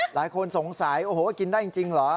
หลายคนสงสัยกินได้จริงหรอ